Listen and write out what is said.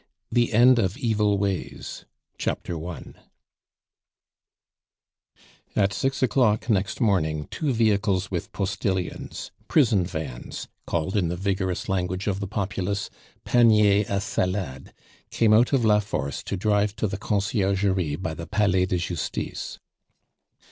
THE END OF EVIL WAYS At six o'clock next morning two vehicles with postilions, prison vans, called in the vigorous language of the populace, paniers a salade, came out of La Force to drive to the Conciergerie by the Palais de Justice.